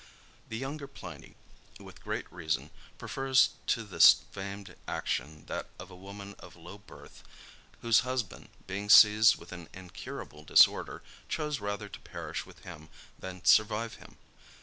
The younger Pliny, with great reason, prefers to this famed action that of a woman of low birth, whose husband being seized with an incurable disorder, chose rather to perish with him than survive him.